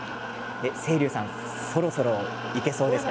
清流さんそろそろいけそうですか？